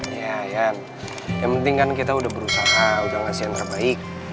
iya yang penting kan kita udah berusaha udah ngasih yang terbaik